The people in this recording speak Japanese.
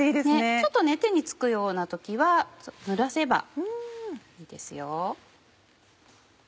ちょっと手に付くような時はぬらせばいいですよ。